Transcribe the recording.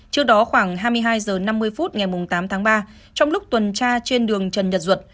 trước đó khoảng hai mươi hai h năm mươi phút ngày tám tháng ba trong lúc tuần tra trên đường trần nhật duật